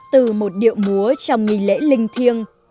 từ một điệu múa trong nghỉ lễ linh thiêng